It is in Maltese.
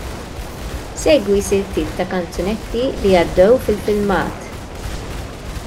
Segwi siltiet tal-kanzunetti li għaddew fil-filmat.